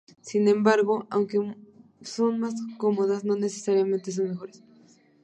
Sin embargo, aunque son más cómodas no necesariamente son mejores.